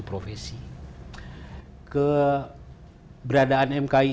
profesi keberadaan mki